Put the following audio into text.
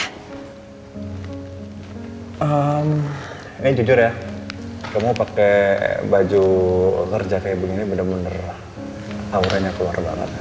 eh jujur ya kamu pakai baju kerja kayak begini bener bener aura nya keluar banget